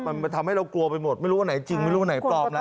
มันทำให้เรากลัวไปหมดไม่รู้ว่าไหนจริงไม่รู้ว่าไหนปลอมนะ